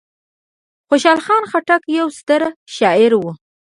خوشحال خان خټک یو ستر شاعر و.